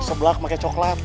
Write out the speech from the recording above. sebelah kemake coklat